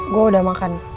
gue udah makan